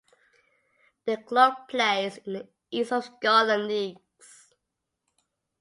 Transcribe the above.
The club plays in the East of Scotland leagues.